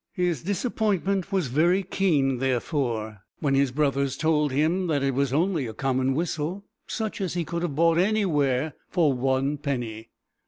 His disappointment was very keen, therefore, when his brothers told him that it was only a common whistle, such as he could have bought anywhere for one penny!